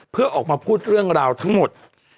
เพื่อออกมาพูดเรื่องราวทั้งหมด